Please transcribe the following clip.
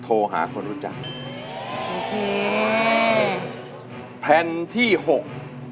๒โทรหาคนรู้จัก